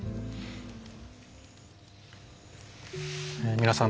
皆さん